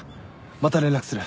また連絡する。